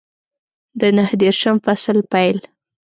د نهه دېرشم فصل پیل